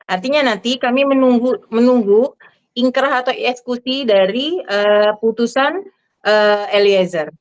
artinya nanti kami menunggu ingkrah atau ekskusi dari putusan eliezer